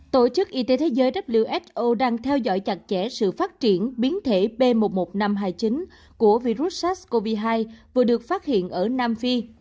tổ chức y tế thế giới who đang theo dõi chặt chẽ sự phát triển biến thể b một mươi một nghìn năm trăm hai mươi chín của virus sars cov hai vừa được phát hiện ở nam phi